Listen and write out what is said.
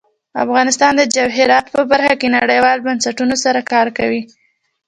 افغانستان د جواهرات په برخه کې نړیوالو بنسټونو سره کار کوي.